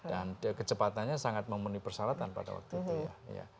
dan kecepatannya sangat memenuhi persyaratan pada waktu itu ya